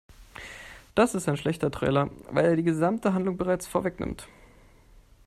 Das ist ein schlechter Trailer, weil er die gesamte Handlung bereits vorwegnimmt.